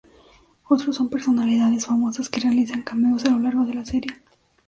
Otros son personalidades famosas que realizan cameos a lo largo de la serie.